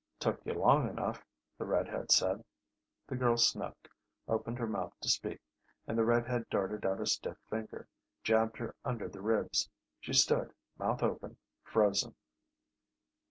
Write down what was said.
"Took you long enough," the red head said. The girl sniffed, opened her mouth to speak and the red head darted out a stiff finger, jabbed her under the ribs. She stood, mouth open, frozen.